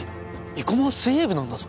生駒は水泳部なんだぞ。